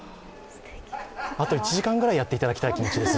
あと１時間ぐらいやっていただきたい気持ちです。